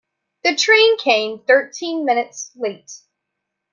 The train came thirteen minutes late.